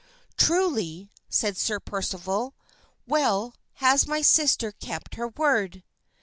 "Truly," said Sir Percival, "well has my sister kept her word."